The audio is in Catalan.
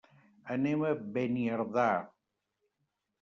Anem a Beniardà.